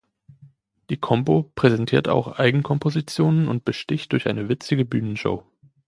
Die Combo präsentiert auch Eigenkompositionen und besticht durch eine witzige Bühnenshow.